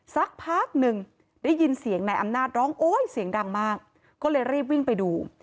สักพักหนึ่งได้ยินเสียงนายอำนาจร้องโอ๊ยเสียงดังมากก็เลยรีบวิ่งไปดู